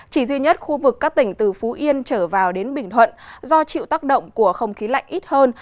chỉ duy nhất khu vực các tỉnh từ phú yên trở vào đến bình thuận do chịu tác động của không khí lạnh ít hơn